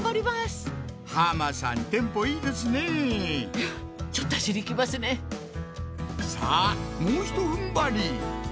いやちょっと脚にきますねぇさあもうひと踏ん張り！